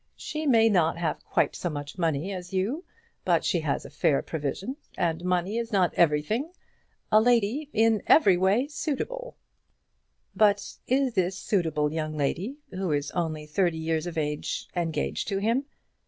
She may not have quite so much money as you; but she has a fair provision, and money is not everything; a lady in every way suitable " "But is this suitable young lady, who is only thirty years of age, engaged to him?"